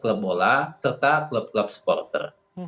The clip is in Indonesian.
selain dari klub klub bola serta klub klub supporter